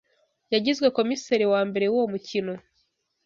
yagizwe komiseri wa mbere wuwo mukino